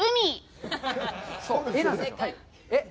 えっ？